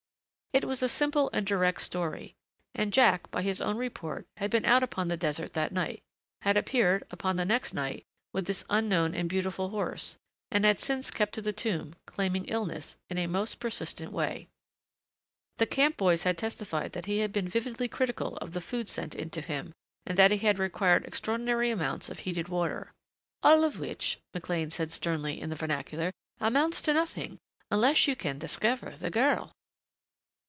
It was a simple and direct story. And Jack by his own report had been out upon the desert that night, had appeared, upon the next night, with this unknown and beautiful horse, and had since kept to the tomb, claiming illness, in a most persistent way. The camp boys had testified that he had been vividly critical of the food sent in to him, and that he had required extraordinary amounts of heated water. "All of which," McLean said sternly, in the vernacular, "amounts to nothing unless you can discover the girl."